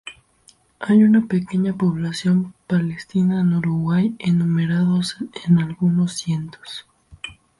Hay una pequeña población palestina en Uruguay, enumerados en algunos cientos.